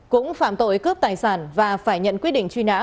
cũng phạm tội cướp tài sản và phải nhận quyết định truy nã